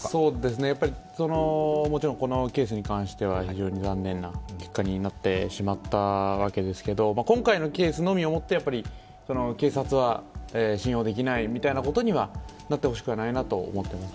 もちろんこのケースに関しては非常に残念な結果になってしまったんですが今回のケースのみで、警察は信用できないみたいなことにはなってほしくないと思います。